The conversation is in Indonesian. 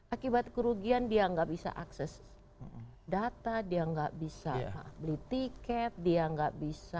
akibat kerugian dia nggak bisa akses data dia nggak bisa beli tiket dia nggak bisa